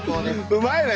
うまいね。